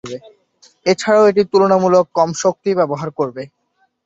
এছাড়া এটি তুলনামূলক কম শক্তি ব্যবহার করবে।